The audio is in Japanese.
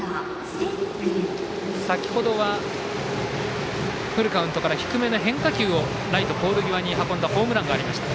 先ほどはフルカウントから低めの変化球をライトポール際に運んだホームランがありました。